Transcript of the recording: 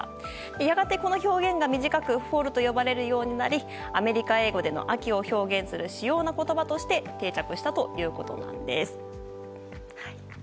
やがて、この表現が短くフォールと呼ばれるようになりアメリカ英語での秋を表現する主要な言葉として「日本製鉄中！」